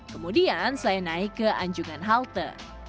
kemudian saya naik ke anjungan halte